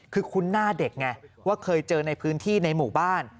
คือคุ้นหน้าเด็กไงว่าเคยเจอในพื้นที่ในหมู่บ้าน